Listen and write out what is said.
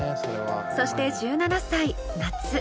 そして１７歳夏。